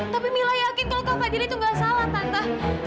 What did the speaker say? tapi mila yakin kalau kak fadil itu nggak salah tante